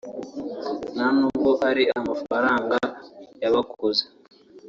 nta n’ubwo ari amafaranga y’abakuze